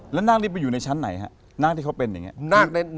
แล้วนาคนี้ไปอยู่ในชั้นไหนฮะนาคที่เขาเป็นอย่างนี้